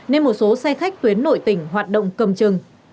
nên một số xe khách tuyến nội tỉnh hoạt động cầm chừng